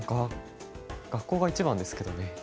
学校が一番ですけどね。